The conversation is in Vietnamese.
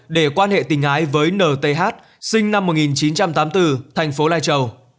để quan hệ tình hái với nth sinh năm một nghìn chín trăm tám mươi bốn thành phố lai châu